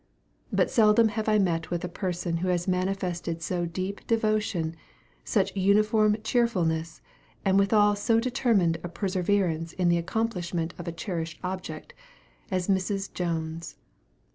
But seldom have I met with a person who has manifested so deep devotion, such uniform cheerfulness, and withal so determined a perseverance in the accomplishment of a cherished object, as Mrs. Jones.